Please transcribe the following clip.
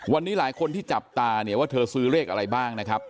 วันนี้หลายคนที่จับตาเนี่ยว่าเธอซื้อเลขอะไรบ้างนะครับ